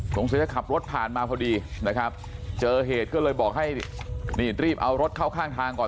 สงสัยจะขับรถผ่านมาพอดีนะครับเจอเหตุก็เลยบอกให้นี่รีบเอารถเข้าข้างทางก่อน